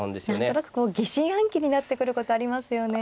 何となくこう疑心暗鬼になってくることありますよね。